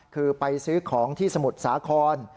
คือไปซื้อของที่สมุทรสาคร